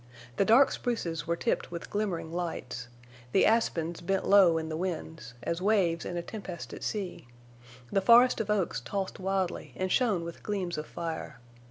The dark spruces were tipped with glimmering lights; the aspens bent low in the winds, as waves in a tempest at sea; the forest of oaks tossed wildly and shone with gleams of fire.